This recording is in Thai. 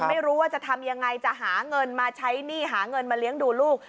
ไม่รู้ว่าจะทำยังไงจะหาเงินมาใช้หนี้หาเงินมาเลี้ยงดูลูก